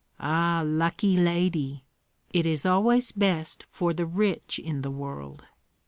"Ah, lucky lady!" "It is always best for the rich in the world.